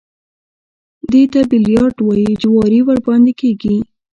دې ته بيليارډ وايي جواري ورباندې کېږي.